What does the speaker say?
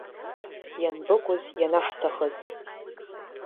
Ианбыкәыз ианаҳҭахыз?